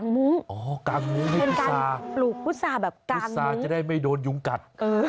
มุ้งกางมุ้งเป็นการปลูกพุษาแบบกางมุ้งพุษาจะได้ไม่โดนยุ้งกัด